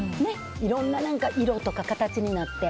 いろんな色とか形になって。